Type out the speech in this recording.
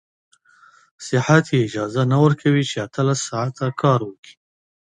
صحت يې اجازه نه ورکوي چې اتلس ساعته کار وکړي.